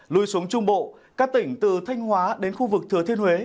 lui xuống trung bộ các tỉnh từ thanh hóa đến khu vực thừa thiên huế